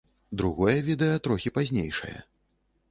Другое відэа трохі пазнейшае.